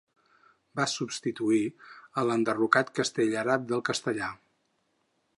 Va substituir a l'enderrocat castell àrab del Castellar.